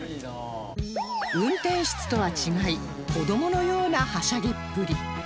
運転室とは違い子どものようなはしゃぎっぷり